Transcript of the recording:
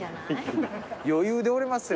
余裕でおれますよ。